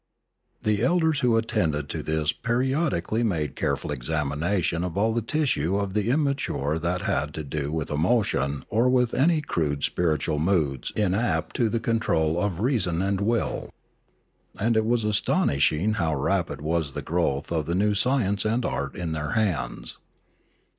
The elders who attended to this periodically made careful examination of all the tissue of the immature that had to do with emotion or with any crude spiritual moods inapt to the control of reason and will. And it was astonishing how rapid was the growth of the new science and art in their hands.